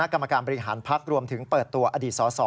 การกรรมการบริหารพักจุดรวมถึงเปิดตัวศาสตร์๓๖๐